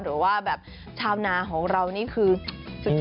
หรือว่าแบบชาวนาของเรานี่คือสุด